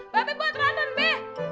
ba be buat ron ron be